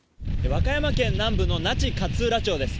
和歌山県南部の那智勝浦町です。